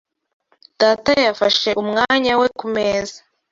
Data yafashe umwanya we kumeza